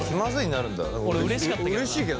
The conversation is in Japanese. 俺うれしかったけど。